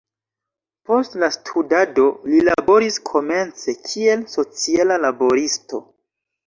Post la studado, li laboris komence kiel sociala laboristo.